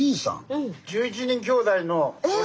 うん。